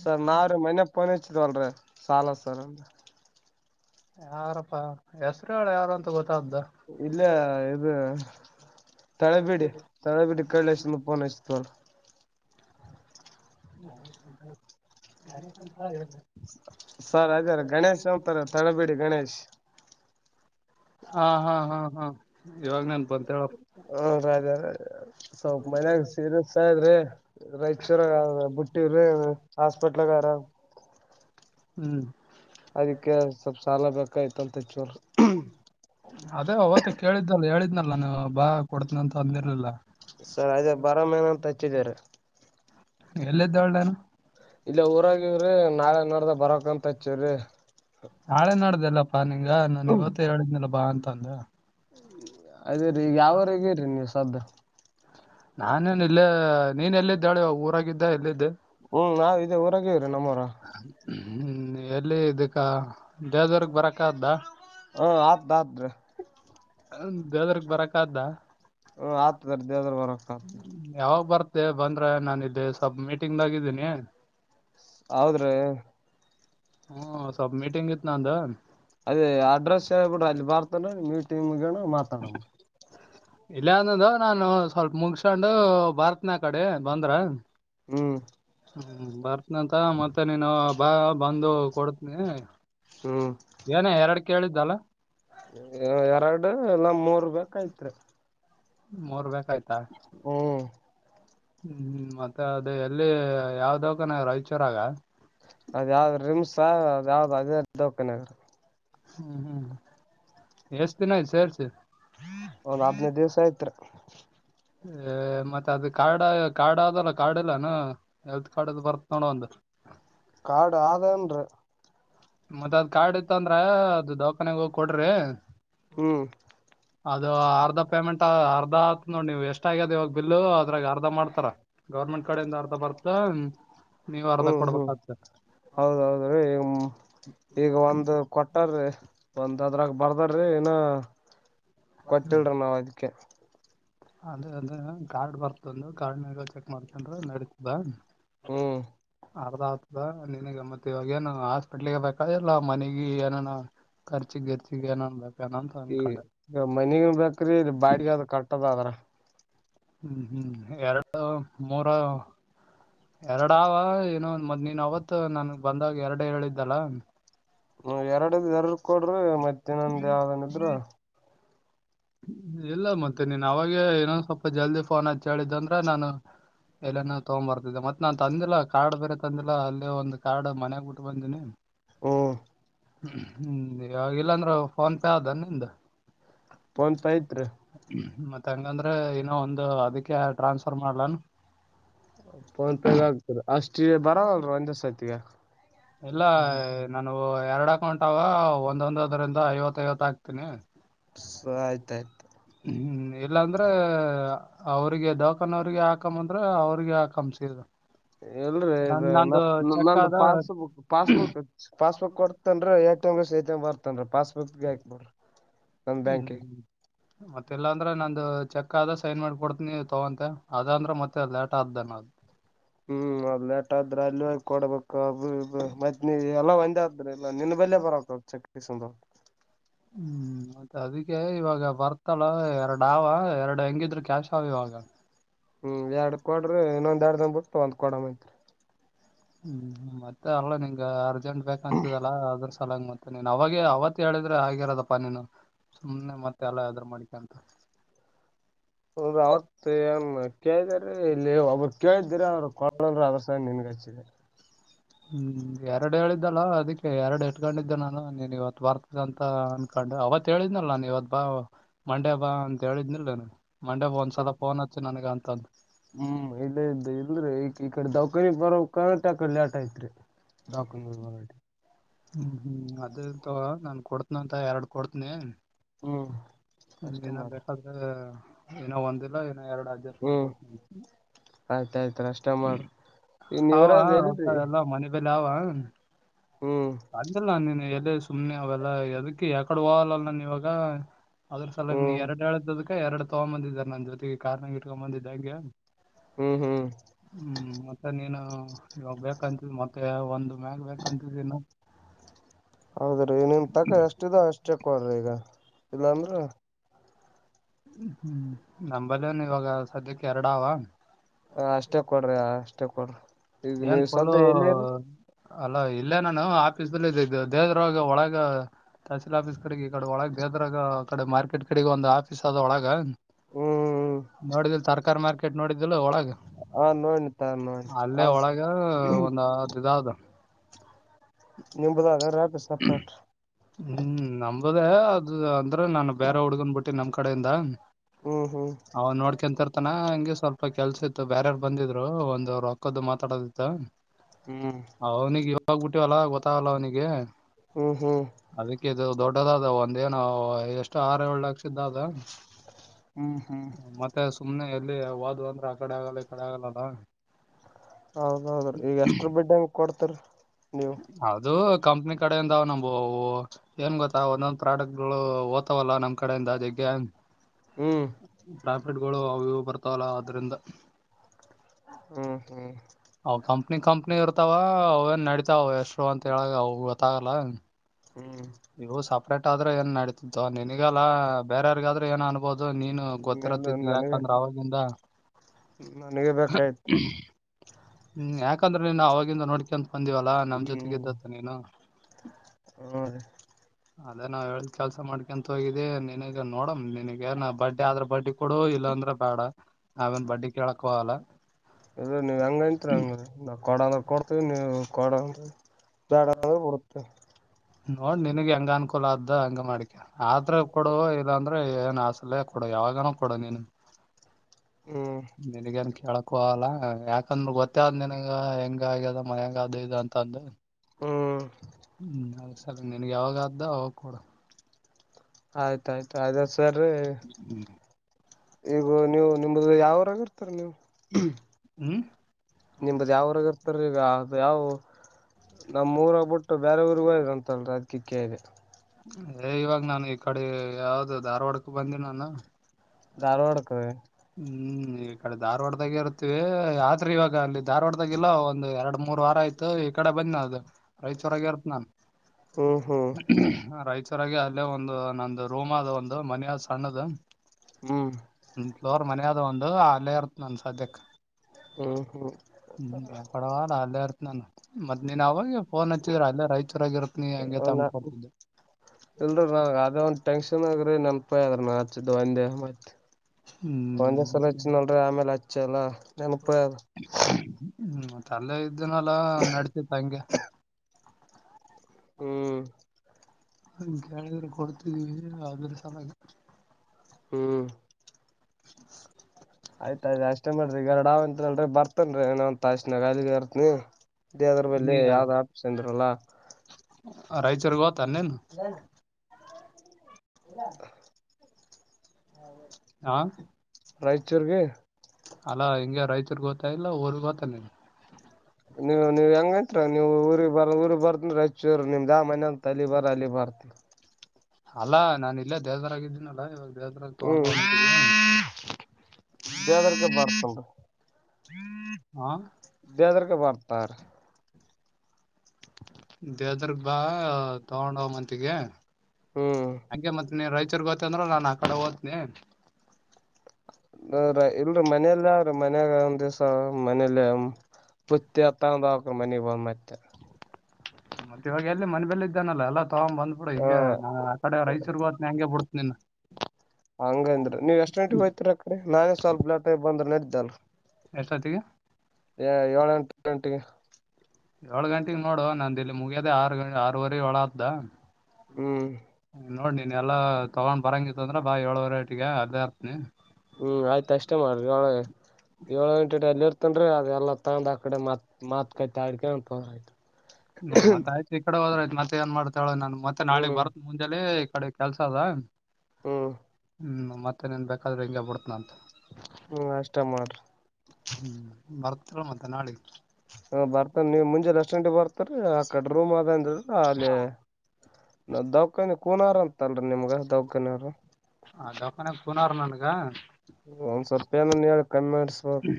Sir ನಾವ್ರೀ ಮನ್ phone ಇಚ್ಚಿದವಲ್ರರಿ ಸಾಲ ಸರ್ ಅಂದ ಯಾರಪ್ಪಾ ಹೆಸರು ಹೇಳ ಯಾರು ಅಂತ ಗೊತ್ತ ಇಲ್ಲಯ ಇದು ಸೆಲೆಬ್ರಿಟಿ ಸೆಲೆಬ್ರಿಟಿ ಗಣೇಶ ಫೋನ್ಸ ತಳ [inaudible] ಸರ್ ಹಾಗಾರ ಗಣೇಶ್ ಅಂತಾರೆ ಸೆಲೆಬ್ರಿಟಿ ಗಣೇಶ್ [inaudible] ಹಾ ಹಾ ಹಾ ಹಾ ಇವಾಗ ನೆನಪು ಬಂತು. ಹೇಳಪ್ಪ ಹ ರಾಜಾ ಸ್ವಲ್ಪ್ ಮನ್ಯಾಗ ಗಂಭೀರ ಇದ್ರಿ ರೈಚೂರ ಬುಟ್ಟಿರಿ ಹಾಸ್ಪಿಟ್ಲ್ಗಾರ ಹ್ಮ್ ಅದಕ್ಕೆ ಸ್ವಲ್ಪ್ ಸಾಲ ಬೇಕಾಯತಂತ ಹೆಚ್ಚರು ಅದೇ ಅವತ್ತ ಕೇಳಿದ್ದಲ್ಲ ಹೇಳಿದ್ನಲ್ಲ ನಾನು ಬಾ ಕೊಡ್ತನಂತ ಅಂದಿರ್ಲಿಲ್ಲ. ಸರಿ ಅ ಬರ ಮೇನ ಅಂತ ಹಚ್ಚಿದಾರ. ಎಲ್ಲಿದ್ದ ಹೇಳ್ ನೀನು ಇಲ್ಲ ಊರಾಗವ್ರಿ ನಾಳೆ ನಡ್ದ ಬರಕಂತ ಹಚ್ಚವ್ರಿ. ನಾಳೆ ನೋಡ್ದಲ್ಲಪ್ಪಾ ನಿಂಗ ನಾನ್ ಇವತ್ತು ಹೇಳಿದ್ನಲ್ಲ ಬಾ ಅಂತ ಅಂದ. ಅದೇ ರೀ ಈಗ ಯಾವರೆಗರಿ ನೀವ್ ಸದ್ಧ. ನಾನೇನು ಇಲ್ಲ ನೀನ್ ಎಲ್ಲಿದ್ದಾಳೆ ಊರಾಗಿದ್ದ ಎಲ್ಲ. ಹ್ಮ್ ನಾವ ಇದೇ ಊರಾಗೇರೀ ನಮ್ಮೂಊರ. ಹ್ಮ್ ಎಲ್ಲಿ ಇದಕ್ಕ ದೇವದರ್ಗ್ ಬರಕ್ಕ್ದ. ಹ್ಮ ಆತ್ ಆತ್ರಿ ದೇವದ್ರಗ್ ಬರಕ್ಕ್ದ. ಹತದ ದಾದರ ಬರತ. ಅ ಬಂದ್ರ ನಾನು ಇಲ್ಲಿ ಸ್ವಲ್ ಮೀಟಿಂಗ್ ದಾಗ್ ಇದೀನಿ. ಹೌದ್ರೀ. ಹ್ಮ ಸ್ವಲ್ಪ ಮೀಟಿಂಗ್ ಇತ್ತ ನಂದ. ಅದೇ ಅಡ್ರೆಸ್ ಹೇಳ್ಬಿಡ್ರ ಅಲ್ಲಿ ಬರ್ತಾನ ಮೀಟಿಮ್ಗನ ಮಾತಾಡಮ್ಮ. ಇಲ್ಲ ಅನ್ನದು ನಾನು ಸ್ವಲ್ಪ ಮುಗಸೊಂಡು ಬರ್ತನ ಆ ಕಡೆ ಬಂದ್ರ. ಹ್ಮ್. ಹ್ಮ್ ಬರ್ತ್ನಂತ ಮತ್ತೆ ನೀನು ಬಾ ಬಂದು ಕೊಡ್ತನಿ. ಏನ ಎರಡು ಕೇಳಿದ್ದಲ್ಲ. ಎರಡು ಇಲ್ಲ ಮೂರ್ ಬೇಕಐತ್ರಿ. ಮೂರ್ ಬ. ಹ್ಮ್. ಹ್ಮ್ ಹ್ಮ್ ಮತ್ತೆ ಅದೇ ಎಲ್ಲಿ ಯಾವ್ದಕನ ರಾಯಚೂರುದಾಗ. ಅದ್ ಯಾವ್ದ್ ರಿಮ್ಸ್ ಅದ ಯಾವ್ದ್ ಅದೇ ದೌಕನ್್ರ. ಹ್ಮ್ ಹ್ಮ್ ಎಷ್ಟ್ ದಿನ ಆಯ್ತು ಸೇರ್ಸಿ ಒಂದ್ ಹದನೇ ದಿವ್ಸ ಆಯ್ತ್ರಿ. ಮತ್ತೆ ಅದು ಕಾರ್ಡ ಕಾರ್ಡ ಆದಲ್ಲ. ಕಾರ್ಡ್ ಇಲ್ಲಾನ ಎಲ್ತ್ ಕಾರ್ಡ್ ಬರ್ತ್ ನೋಡ ಒಂದು. ಕಾರ್ಡು ಆದದನ್. ಮತ್ತೆ ಅದ್ ಕಾರ್ಡ್ ಇತ್ತಂದ್ರ ಅದು ದವಾಖಾನೆಗೆ ಹೋಗಿ ಕೊಡ್ರಿ ಹ್ಮ್. ಅದು ಅರ್ಧ ಪೇಮೆಂಟ್ ಅರ್ಧ ಆತ ನೋಡ್ ನೀವು ಎಷ್ಟ ಆಯ್ತು. ಹಗ ಅದ ಇವಾಗ ಬಿಿಲ್ಲು ಅದ್ರಾಗ ಅರ್ಧ ಮಾಡ್ತಾರ ಗವರ್ಮೆಂಟ್ ಕಡೆಯಿಂದ ಅರ್ಧ ಬರ್ತ. ನೀವ್ ಅರ್ಧ ಕೊಡ್ಬೇಕಾಗ್ತ. ಹೌದೌದು ರೀ ಈ. ಈಗ ಒಂದ ಕೊಟ್ಟಾರ್ರಿ ಒಂದ್ ಅದ್ರಾಗ ಬರ್ದಾರ್ರಿ ಏನ. ಕೊಟ್ಟಿಲ್ರಿೀ ನಾವ್ ಅದಕ್ಕೆ. ಅದೇ ಅದ ಕಾರ್ಡ್ ಬರ್ತಂದು ಕಾರ್ಡ್ ಮಾಗ ಚೆಕ್ ಮಾಡ್ತೀನಿ ನಡಿತದ. ಹ್ಮ. ಹ್ಮ್ ಅರ್ಧ ಆಗ್ತದ ನಿನಗ ಮತ್ತ ಏನ್ ಇವಾಗ ಏನು ಹಾಸ್ಪಿಟ್ಲಿಗೆ ಬೇಕಾದಲ್ಲ ಮನೆಗ ಏನನು. ಕರ್ಚಿ ಗಿರ್ಚಿಿಗೆನಂದ. ಈ ಮನಗು ಬೇಕ್ರೀ ಬಾಡಿಗೆ ಅದ ಕಟ್ಟದಾದ್ರ. ಹ್ಮ್ ಹ್ಮ್ ಎರಡು ಮೂರ ಎರಡ ಅವ ಏನುೋ ಮ್ ನೀನ್ ಅವತ್ತು ನನ್ಗ್ ಬಂದಾಗ ಎರಡು ಹೇಳಿದ್ದಲ್ಲ ಹ ಎರಡದ ಎರ ಕೊಡ್ರಿ ಮತ್ತನ್ನೊಂದ ಯಾವ್ದನ ಇದ್ರು ಇಲ್ಲ ಮತ್ತೆ ನೀನ್ ಅವಾಗ ಇನ್ನೊಂದ ಸ್ವಲ್ಪ ಜಲ್ದಿ ಫೋನ್ ಹ ಹೇಳಿದ್ದಂದ್ರೆ ನಾನು. ಎಲ್ಲ ನಾವು ತಗೊ ಬರ್ತ. ಮತ್ತ ನಾನ್ ತಂದಿಲ್ಲ ಕಾರ್ಡ್ ಬೇರೆ ತಂದಿಲ್ಲ ಅಲ್ಲಿ ಒಂದು ಕಾರ್ಡ್ ಮನ್ಯಾಗ ಬಿಟ್ಟು ಬಂದೀನಿ. ಹ್ಮ್. ಹ್ಮ ಇಲ್ಲಾ ಅಂದ್ರೆ ಫೋನ್ ಪೇ ಆದ ನಿಮ್ದ. ಫೋನ್ಪೇ ಅತ್ರಿ. ತಂಗಂದ್ರೆ ಇನೋ ಒಂದು ಅದಕ್ಕೆ ಟ್ರಾನ್ಸ್ಫರ್ ಮಾಡ್ಲೆನ್. ಫೋನ್ಪೇಗು ಆಗ್ತದೆ ಅಷ್ಟೇ ಬರಲ್ ಒಂದ್ಸತಿಗ. ಎಲ್ಲ ನ. ನವು ಎರಡಕ ಹೊಂಟಾವ ಒಂದೊಂದ ಅದರಿಂದ ಐವತ್ತ ಐವತ್ತ ಹಾಕ್ತೀನಿ ಸ ಆಯ್ತಾಯ್ತು ಹ್ಮ್ ಇಲ್ಲಾಂದ್ರೆ ಅವ್ರಿಗೆ ದಖಾನ್ ಅವ್ರಿಗೆ ಹಾಕಂಬ ಅಂದ್ರ ಅವ್ರಿಗೆ ಹಾಕಮಸರ್ ಇಲ್ರರಿ ಇ ನ ನಂದು ಆದ ಪಾಸ್ಬುಕ್ ಪಾಸ್ಬುಕ್ ಪಾಸ್ಬುಕ್ ಕೊಡ್ತನ್ ಯಾಕ ಂಗ ಸೈತಂಗ ಬರ್ತನ್ ಪಾಸ್ ಬುಕ್ ಹಾಕ್ಬ್ರಿ ಹ್ಮ್ ಮತ್ತೆಲ್ಲಾ ಅಂದ್ರೆ ನಂದು ಚಕ್ ಕ ಸೈನ್ ಮಾಡ ಕೊಡ್ತ ನೀವು ತಗಂತಂತೆ ಅದ ಅಂದ್ರ ಮತ್ತೆ ಲೇಟ ಅದ್ದನ ಅದ್ ಹ್ಮ್ ಅದೇಟಾದ್ರ ಅಲ್ಲಿ ಕೊಡಬೇಕು ಮ ನೀ ಎಲ್ಲ ಒಂದೇ ಆದ್ರ ಇಲ್ಲ ನಿನ್ನ ಬೆಲ್ಲೆ ಬರಕ್ ಚಕ್ೀಸಂದ ಹ್ಮ್ ಮತ್ತೆ ಅದಕ್ಕೆ ಇವಾಗ ಬರ್ತಲ್ಲ ಎರಡ್ ಹವ ಎರಡು ಹೆಂಗಿದ್ರರು ಕ್ಯಾಶ್ ಹಾವ ಇವಾಗ ಹ್ಮ್ ಎರಡ್ ಕೋಡ್ರಿ ಇನ್ನೊಂದ್ ಎರಡು ದನ್ ಬಿಟ್ಟು ಒಂದ್ ಕಡ ಮೈತ್ರಿ ಹ್ಮ್ ಮತ್ತೆ ಅಲ್ಲ ನಿಂಗ ಅರ್ಜೆಂಟ್ ಬೇಕಂತಿದಲ್ಲ ಅದ್ರ ಸಲಂಗ ಮತ್ತೆ ನೀನ್ ಅವಾಗೆ ಅವತ್ತ ಹೇಳಿದ್ರೆ ಆಗಿರದಪ್ಪಾ ನೀನು ಸುಮ್ಮ್ನೆ ಮತ್ತೆ ಎಲ್ಲ ಎದ್ರರು ಮಾಡಿಕ ಹ ಅವತ್ ಏನ್ ಕೇಳ್ದಾರೀ ಇಲ್ಲಿ ಒಬ್ರು ಕೇಳ್ದಿರ ಅವ್ರ ಕೊಂದ್ರ ಅದ್ರಸ ನಿನ್ಗ ಆಚ ಹ್ಮ್ ಎರಡು ಹೇಳಿದ್ದಲ್ಲ ಅದಿ ಎರಡು ಎಷ್ಟ ಗಂಡ ಇದಿದ್ದು ನಾನು ನೀನ್ ಇವತ್ ಬರ್ತದ ಅಂತ ಅನ್ಕೊಂಡು ಅವತ್ ಹೇಳಿದ್ನಲ್ಲ ನಾನ ಇವತ್ ಬಾ ಮಂಡೇ ಬಾ ಅಂತ ಹೇಳಿದ್ನಿಲ್ ನನಗೆ ಮಂಡೇ ಬಾ ಒಂದ್ಸಲ ಫೋನ್ ಹಚ್ಚು ನನಗ ಅಂತಂದು ಹ್ಮ್ ಇಲ್ಲೇ ಇದ್ದ ಇಲ್ರಿೀ ಈ ಈ ಕಡೆ ದೌಖಾನಿ ಬರ ಕರ್ನಾಟ ಕಲ್ಲಿಿ ಆಟ ಐತ್ರಿ ದಾಕ ಮರಟ ಹ್ಮ್ ಹ್ಮ್ ಅದಂತ ನಾನ್ ಕೊಡ್ತನ ಅಂತ ಎರಡು ಕೊಡ್ತನಿ ಹ್ಮ್ ಹ್ಮ ಅಷ್ಟೇ ಏನೋ ಮಾಡ್ರಿ ಬೇಕಾದ್ರೆ ಏನೋ ಒಂದಿಲ್ಲ ಏನೋ ಎರಡು ಅಡ್ಜಸ್ಟ್ ಮಾಡ್ಕೊಡ್ತೀನಿ ಆಯ್ತಾಯಯ್ತು ನಷ್ಟ ಮಾಡಿ ಈಗ ನೀವರ ಹೇಳಿದ್ರಿ ಇಾವ ಹ್ಮ್ ಅಂದಿಲ್ಲ ನೀ ಎಲೆ ಸುಮನೆ ಅವೆಲ್ಲ ಅದಕ್ಕೆ ಯಕಡೆ ಹೋಗಲ್ಲಲ್ಲ ನಾನ ಇವಾಗ ಅದ್ರ ಸಲಗ್ ನೀ ಹ್ಮ್ ಎರಡು ಹೇಳ್ದದ ಎರಡ್ ತಗೊಂಬಂದಿದ್ದ ನನ್ ಜೊತೆಗೆ ಕಾರ್ನ ಇಟ್ಕೊಂಬ ಬಂದಿದ್ದ ಹಾಗಗೆ ಹ್ಮ್ ಹ್ಮ್ ಹ್ಮ್ ಮತ್ತ ನೀನು ಇವಾಗ ಬೇಕಂತಿದ್ ಮತ್ತೆ ಒಂದ್ ಮ್ಯಾಗ ಬೇಕಂತಿದ್ ಇನ್ನು ಹೌದ್ರಿ ನಿಮ ತಕ ಎಷ್ಟಿದ ಎಷ್ಟ ಚಕ್ ಕೊಳ್ರಿ ಈಗ ಇಲ್ಲಾಂದ್ರ ಹ್ಮ್ ನಂಬಲ್ನು ಇವಾಗ ಸದ್ಯಕ್ಕೆ ಎರಡ ಅವ ಹ ಅಷ್ಟೇ ಕೊಡ್ರಿ ಅಷ್ಟೇ ಕೊಡ್ರಿ ಈಗ ಏನ್ ನೀವ್ ಸ್ದ ಎಲ್ಲಿರಿ ಅಲ್ಲ ಇಲ್ಲೇ ನಾನು ಆಫೀಸ್ಲ್ಲಿ ಇದ ದೇಹದ್ರಾಗ ಒಳಗ ತಹಸೀಲ್ ಆಫೀಸ್ ಕಡೆಗೆ ಈ ಕಡೆ ಒಳಗ ದೇದ್ರಾಗ ಕಡೆ ಮಾರ್ಕೆಟ್ ಕಡೆಗೆ ಒಂದು ಆಫೀಸ್ ಆದದ ಒಳಗ ಹ್ಮ್ ಹ್ಮ್ ನೋಡಿದಲ್ ತರಕಾರಿ ಮಾರ್ಕೆಟ್ ನೋಡಿದ್ದಲ್ ಒಳಗ ಹಾ ನೋಡ್ನಿ ತಗೋ ಅಲ್ಲೇ ನೋಡ್ನಿ. ಒಳಗ ಒಂದ್ ಇದದು ನಿಂಬುದ ಅದ ರಾಪಿ ಸಪ್ರೇಟ್ ಹ್ಮ್ ನಮ್ಮದ ಅದು ್ರ ನಾನು ಬೇರೆ ಹುಡ್ಗನ್ ಬಿಟ್ಟಿ ನಮ್ ಕಡೆಯಿಂದ ಹ್ಮ್ ಅವ ನೋಡ್ಕಂತ ಇರ್ತಾನ ಹ ಸ್ವಲ್ಪ ಕೆಲ್ಸ ಇತ್ತು ಬೇರವ್ ಬಂದಿದ್ರು ಒಂದ್ರು ರೊಕ್ಕದ ಮಾತಾಡೋದಿತ್ತು ಹ್ಮ್ ಅವನಿಗೆ ಇವಾಗ್ ಬಿಟ್ಟಿವಲ್ಲ ಗೊತ್ತಾಗಲ್ಲ ಅವನಿಗೆ ಹ್ಮ್ ಅದಕ್ಕೆ ಇದು ದೊಡ್ಡದಾದ ಒಂದೇನು ಎಷ್ಟು ಆರು ಏಳ್ ಲಕ್ಷ ಇದ್ದ ಅದ ಹ್ಮ್ ಮತ್ತೆ ಸುಮ್ನೆ ಎಲ್ಲಿ ಹದು ಅಂದ್ರೆ ಆ ಕಡೆ ಆಗಲ್ಲ ಈ ಕಡೆ ಆಗಲ್ಲಲ್ಲ ಹೌದ ಹೌದು್ರೀ ಈಗ ಎಷ್ಟರು ಬಿಡ್ ಕೊಡ್ತ ಹೌದು ಕಂಪ್ನಿ ಕ ನ ಏನ್ ಗೊತ್ತಾ ಒಂದೊ್ ಪ್ರಾಡಕ್ಟ್ ಗಳು ಓ್ತವಲ್ಲ ನಮ ಕಡೆಯಿಂದ ಹ್ಮ್ ಜಾಫೆಟ್ಗಳು ಅ ಬರ್ ತಾಲ ಆದರಿಂದ. ಹ್ಮ್ ಹ್ಮ್ ಅವ ಕಂಪನಿ ಕಂಪನಿ ಇರ್ತಾವ ಅವನ್ ನಡತ ಎಷ್ಟು ಅಂತ ಹೇಳಕ ಗೊತ್ತಾಗಲ್ಲ ಹ್ಮ್ ನೀವ ಸಪ್ರೇಟ್ ಆದ್ರೆ ಏನ್ ನಡಿ ನಿನಗಲ್ಲ ಬೇರಾರ್ಗಾದ್ರೂ ಏನ ಅನ್ಬಹದು ನೀನು ಇಲ್ಲ ಗೊತ್ತಿರತ್ತಿದ್ದ ನನಗೆ ಯಾಕಂದ್ರೆ ಅವಾಗಿಂದ ನನಗೆ ಬೇಕಾಯ್ತು ಹ್ಮ್ ಯಾಕಂದ್ರೆ ನೀನ್ ಅವಾಗಿಂದ ನೋಡ್ಕೊಂತ ಬಂದಿವ ಅಲ್ಲಾ ನಮ್ ಜೊತೆಗೆ ಇದ್ದತ್ತ ನೀನು ಹ ಅದೇ ನಾವ್ ಹೇಳ್ದ ಕೆಲ್ಸ ಮಡಕೇಂತ ಹೋಗಿದ್ದಿ ನಿನಗ ನೋಡಮ ನಿನಗ ಏನ ಬಡ್ಡೆ ಆದ್ರ ಬಡ್ಡಿ ಕೊಡ ಇಲ್ಲ ಅಂದ್ರೆ ಬೇಡ ಅವೇನ್ ಬಡ್ಡಿ ಕೇಳಾಕ್ ಹೋಗಲ್ಲ ಇದ ನೀವು ಹೆಂಗ ಅತ್ರಿ ಹಂಗ ನಾವು ಕಡಂದ್ರ ಕೊಡ್ತೀವಿ ನೀವು ಕೊಡ ಅಂದ್ರ ಬೇಡಾ ಅಂದ್ರ ಬಿಡತೀವಿ ನೋಡ್ ನಿನಗ್ ಹೆಂಗ ಅನುಕೂಲ ಆದ ಹಂಗ ಮಾಡಿಕ ಅದ್ರ ಕೊಡ ಇಲ್ಲ ಅಂದ್ರೆ ಆ ಸಲ ಕೊಡ ಯಾವಾಗನ ಕೊಡ ನೀನು ಹ್ಮ್ ಸುಳ್ ಯಾಕಂದ್ರ ಗೊತ್ತ ಆದ್ ನಿನ್ಗ ಹೆಂಗ ಆಗ್ಯದ ಮನ್ಂಗ ಅದು ಇದ ಅಂತಂದ ಹ್ಮ್ ಹ್ಮ್ ಹೌದ ಸರ್ ನಿನ್ಗೆ ಯಾವಾಗಾದ್ದ ಅವಾಗ ಕೂಡ ಆಯ್ತಾಯ್ತು ಆಯ್ದ ಸರಿ ಈಗ ನೀವು ನಿಮ್ದ ಯಾವರಾಗಿರ್ತಾರ ನೀವು ಹ್ಮ್ ನಿಮ್ದ ಯಾವ ಊರಾಗ ಇರ್ತಾರ ಈಗ ಅದು ಯಾವವು ನಮ್ಮ್ ಉರಗ್ಬಿಟ್ಟು ಬೇರೆ ಊರಿಗೆ ಹೋಗಿದ್ರ ಅಂತಲ್ ಅದಕೆ ಕೇಳದೆ ಏ ಇವಾಗ ನಾನು ಈ ಕಡೆ ಯಾವ್ದ ಧಾರವಾಡಕ್ಕೆ ಬಂದ ನಾನು ಧಾರವಾಡಕ ಹ್ಮ್ ಈ ಕಡೆ ಧಾರವಾಡ ದಾಗೆ ಇರುತ್ತೆ ಇವಿ ಯ ಇವಾಗ ಅಲ್ಲಿ ಧಾರವಾಡದಾಗ ಇಲ್ಲೋ ಒಂದ್ ಎರಡು ಮೂರ್ ವಾರ ಆಯ್ತು ಈ ಕಡೆ ಬಂದಿ ಅದು ರೈತ ಚರಗರ್ತ್ ನನ್ ಹ್ಮ್ ಹ್ಮ್ ರಾಯಚೂರು ಗಿ ಅಲ್ಲೇ ಒಂದು ನಂದು ರೂಮ ಅದ ಒಂದು ಮನೆ ಸಣ್ಣದ ಹ್ಮ್ ನಮ್ಮೂಪ್ಲೋರ್ ಮನೆದ ಒಂದು ಅಲ್ಲೇ ಇರ್ತ್ ನನ್ ಸದ್ಯಕ್ ಹ್ಮ ಹ್ಮ್ ಹ್ಮ್ ಯ ಪರವಾಗಿಲ್ಲ ಅಲ್ಲೇ ಇರ್ತ್ ನಾನ್ ಮತ್ ನೀನ್ ಅವಾಗ ಫೋನ್ ಹಚ್ಚಿದ್ರ ಅಲ್ಲೇ ರೈತರಾಗಿ ಇರತ್ತನ ಹಂಗೆ ತಮ್ಮಕ ಕೊಡ್ಟ್ಟಿದ್ದು ಇಲ್ರರಿ ನಾ ಅದೇ ಒಂದ ಟೆನ್ಷನ್ ಆಗ್ರೀ ನೆನ್ಪಾಯಿ ಅದ್ರ ನಾ ಹಚ್ಚಿದ್ದ್ ಒಂದೇಹ್ತ್ ಹ್ಮ್ ಒಂದೇಸಲ ಹಚ್ಚಿನಲ್ರಿ ಆಮೇಲೆ ಹಚ್ಚಲ್ಲ ನೆನಪ ಇಲ್ಲ ತಲೆ ಇದ್ದನಲ್ಲ ನಡತತ್ ಹಂಗೆ ಹ್ಮ್ ಹ ಕೇಳಿದ್ರೆ ಕೊಡ್ತಿದೀವಿ ಅದರ ಸಲವಾಗಿ ಹ್ಮ್ ಆಯ್ತಾಯಯ್ ಅಷ್ಟೇ ಮಾಡ್ರ ಎರಡ್ ಅಂತ ಹೇಳಲ್ರಿ ಬರ್ತನ್ ರೀ ಇನ್ ಒಂದ ತಾಸ್ ನ್ಯಾಗ್ ರ್ತ್ನಿ ದೇದ್ರ ನೀ ಬಲ್ಲಿ ಯಾವ್ದ್ ಆಪ್ಷನ್ ಇರಲ್ಲ ರಾಯಚೂರು ಹೋತನ್ ಇಲ್ಲ ಹ ಹಾ ರಾಯಚೂರ್ಗೆ ಅಲ್ಲಾ ಹಿಂಗೆ ರಾಯಚೂರು ಹೋತ ಇಲ್ಲ ಊರ್ ಗೊತ್ತ ನೀನ್ ನೀವ ನೀವ್ ಹೆಂಗೈತ್ತ್ರೀ ನೀವು ಊರಿಗೆ ಬರ ಊರ್ಗ್ ಬರ್ತೇನಿ ರಾಯಚೂರು ನಿಮ್ದ ಮ ತಾಲಬಾರ ಅಲಿ ಭಾರತಿ ಅಲ್ಲಾ ನಾನು ಇಲ್ಲೇ ದೇವದರಾಗ ಇದಿದ್ದೀನಲ್ಲಾ ಇವಾಗ ದೇವರಾಗ ತಗೊಂಡ್ ಹ್ಮ್ ಹೋಗ್ೀನಿ ವಿದ್ಯಾಧರ್ಕ ಬಾರತನ್ರಿ ಹಾ ದೇವದ್ರಗ ಮಾಡ್ತಾರ ದೇವದ್ರಗ ಬಾ ತಗೊಂಡ ಮಂತಿಗೆ ಹ್ಮ ಹ್ಮ್ ಹಂಗೆ ಮತ್ ನೀ ರಾಯಚೂರ್ಗ ಹತ ಅಂದ್ರ ನಾ ಆ ಕಡೆ ಓತನಿ ಇಲ್ರಿ ಮನೇಲ್ಲ್ರೀ ಮನ್ಯಾಗ ಒಂದ್ ದಿವ್ಸ ಮನೇಲ್ಲ ಪತ್ತ ಎತ್ತದಕ ಮನಿ ಬ ಮತ್ತೆ ಮತ್ತೆ ಇವಾಗ ಎಲ್ಲಿ ಮನೆ ಬೇ ಇದ್ದಾನಲ್ಲ ಅಲ್ಲ ತಗೊಂದ ಬಂದ್ ಬಿಡ ಹ ಈಗ ನ ಆ ಕಡೆ ರಾಯಚೂರು ಹೋತ್ನ ಹೆಂಗೆ ಬಿಡ್ತ ನಿನ್ ಹಂಗೇಂದ್ರೀ ನೀ್ ಎಷ್ಟ್ ಎಂಟಿಗೆ ಹಯ್ತೀರ ಅಕಡೆ ನಾನೇ ಸ್ವಲ್ಪ ಲಾಟ ಬಂದ್ರ ನದ್ದಲ್ ಎಷ್ಟೊತ್ತಿಗೆ ಏ ಏಳ ಎಂಟು ಗಂಟೆಗೆ ಏಳ್ ಗಂಟಗ್ ನೋಡುುವ ನಂದಿಲ್ಲಿ ಮುಗಿಯದೆ ಆರು ಗಂ ಆರವರೆ ಒಳಾದ್ದ ಹ್ಮ್ ನೋಡ್ ನೀನ್ ಎಲ್ಲ ತೊಗೊಂಡ್ ಬರಂಗಿತ್ತು ಅಂದ್ರ ಬಾ ಏಳು ವೆರೈಟಿಿಗೆ ಅದೇ ಇರ್ತನಿ ಹ್ಮ್ ಆಯ್ತು ಅಷ್ಟೇ ಮಾಡ್ರಿಳ ಏಳಂಟ ಅಲ್ಲಿ ನ್ೀ ಅದೆಲ್ಲಾ ತಂದ ಆ ಕಡೆ ಮತ್ ಮಾತ್ ಕತಾ ಆಕ ಆಯ್ತು ಮತ್ತ ಆಯ್ತ್ು ಈ ಕಡೆ ಹೋದ್ರ ಆಯ್ ಮತ್ತೆ ಏ ಮಾಡತ ಹೇಳಳ ನಾನನ್ ಮತ್ತೆ ನಾಳೆ ಹ್ಮ್ ಬರತ್ ಮುಂಜೆ ಈ ಕಡೆ ಕೆಲ್ಸ ಾ ಹ್ಮ ಮತ್ತೆನೇನು ಬೇಕಾದ್ರೆ ಹಿಗೆ ಬಿಡತನ ಅಂತೆ ಹ್ಮ್ ಅಷ್ಟ ಮಾಡ್ರಿ ಹ್ಮ್ ಬರ್ತ ಮತ್ತ ನಾಳೆ ಹ ಬರ್ತಾರ ನೀವ್ ಮುಂಜೆ ರೆಸ್ಟೋರೆಂಟ್ಗೆ ಬರ್ತಾರೀ ಆ ಕಡೆ ರೂಮ್ ಅದ ಅಂದ್ರ ಅಲ್ಲಿ ನ ದೌಖಾನಿ ಕೂನಾರ ಅಂತಲ್ರಿ ನಿಮ್ಗ ದೌಖಾನೆಯಾರ ಆ ದಕಾನಕ್ಕೆ ಕುುನಾರ ನನ್ಗ ಒಸ ಪ್ಯನನ್ ಯಾರ ಕಮೆಟ್ಸ್ ಬಕ್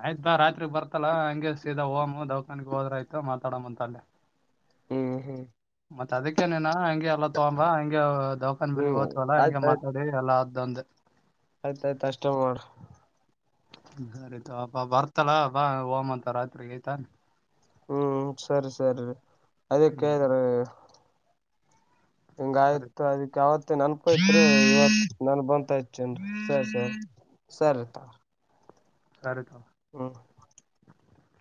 ಆಯ್ತ್ ಬಾ ರಾತ್ರಿಗ್ ಬರ್ತಲ್ಲಾ ಹಂಗೆ ಸದ ಓಮ್ ದೌಖಾನಿ ಹೋದ್ರಯ್ತ ಮಾತಾಡಂತ ಅಲ್ಲೆ ಹ್ಮ್ ಹ್ಮ್ ಮತ್ತ ಅದಕ್ಕೆನನಾ ಹಂಗೆ ಎಲ್ಲ ತಗೊಂಬ ಹಂಗಗೆ ದೌಕಾನ್ ಬಳಿ ಹ್ಮ್ ಹೋದ್ವಲ್ಲ ಹಂಗೆ ಮಾತಾಡಿ ಎಲ್ಲ ಅದು ಅಂದೆ ಆಯ್ತಾಯ್ತ ಅಷ್ಟೇ ಮಾಡೋ ದರಿತಕ ಅಪಾ ಬರ್ತಲ ಬಾ ಓಮಂತ ರಾತ್ರಿಗೆ ಆಯ್ತಾ ಹ್ಮ್ ಸರಿ ಸರಿ ಅದಕ್ಕೆ ಹ್ಮ್ ಕೇಳಿದ್ರು ಹಿಂಗ ಆಯ್ತ ಸರಿ ಅದಕ್ ಯಾವತ್ತ ನೆನ್ಪೈತ್ರಿ ಇವತ್ ನೆನಪ ಬಂತು ಹಚ್ಚಿನಿರಿ ಸರಿ ಸರಿ ಸರಿ ತಾ ಸರಿ ತಾ ಹ್ಮ